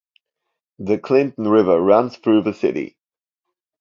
The Clinton River runs through the city.